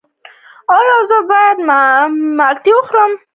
ایا زه باید ماونټین ډیو وڅښم؟